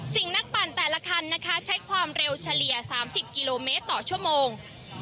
นักปั่นแต่ละคันนะคะใช้ความเร็วเฉลี่ย๓๐กิโลเมตรต่อชั่วโมง